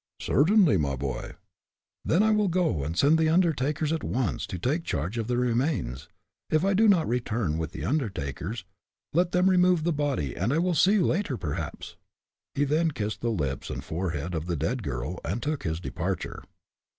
"Certainly, my boy." "Then I will go and send the undertakers at once to take charge of the remains. If I do not return with the undertakers, let them remove the body, and I will see you later, perhaps." He then kissed the lips and forehead of the dead girl, and took his departure.